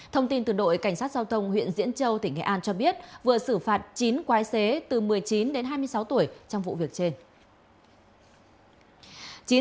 thông tin từ đội cảnh sát giao thông huyện diễn châu tỉnh nghệ an cho biết vừa xử phạt chín quái xế từ một mươi chín đến hai mươi sáu tuổi trong vụ việc trên